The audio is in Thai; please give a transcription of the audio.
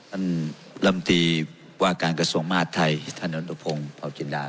ท่านลำตีวาการกษมติมาตรไทยท่านอนุโปรงพจินดา